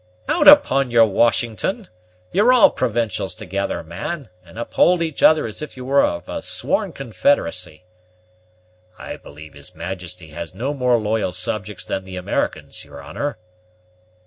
"Out upon your Washington! You're all provincials together, man, and uphold each other as if you were of a sworn confederacy." "I believe his majesty has no more loyal subjects than the Americans, your honor."